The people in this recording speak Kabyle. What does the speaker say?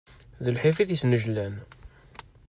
D lḥif i t-isnejlan.